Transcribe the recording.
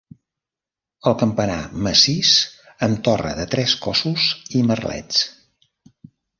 El campanar massís amb torre de tres cossos i merlets.